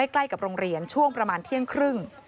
ใกล้กับโรงเรียนช่วงประมาณเที่ยงครึ่ง